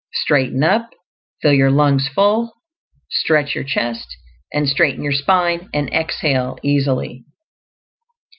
Straighten up; fill your lungs FULL; stretch your chest and straighten your spine, and exhale easily.